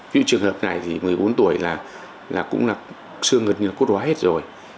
ví dụ trường hợp này thì một mươi bốn tuổi là cũng là xương ngực như là cốt hóa hết rồi